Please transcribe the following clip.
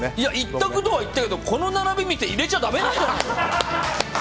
１択とは言ったけどこの並び見て、入れちゃだめだよ。